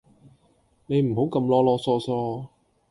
你唔好咁囉囉嗦嗦